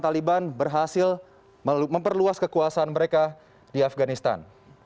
taliban berhasil memperluas kekuasaan mereka di afganistan